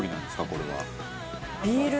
これは。